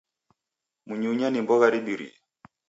Mnyunya ni mbogha ribirie